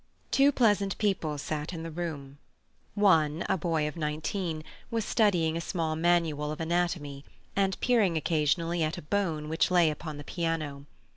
Two pleasant people sat in the room. One—a boy of nineteen—was studying a small manual of anatomy, and peering occasionally at a bone which lay upon the piano.